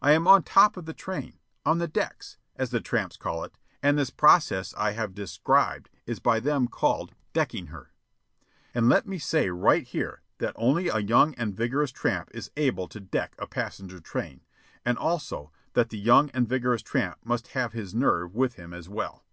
I am on top of the train on the "decks," as the tramps call it, and this process I have described is by them called "decking her." And let me say right here that only a young and vigorous tramp is able to deck a passenger train, and also, that the young and vigorous tramp must have his nerve with him as well.